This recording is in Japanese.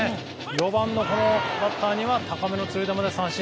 ４番のバッターには高めの強い球で三振。